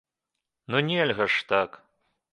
Ну, нельга ж так!